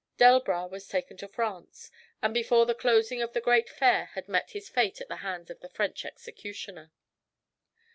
Delbras was taken to France, and before the closing of the great Fair had met his fate at the hands of the French executioner.